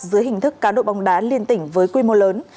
dưới hình thức cá độ bóng đá liên tỉnh với quy mô lớn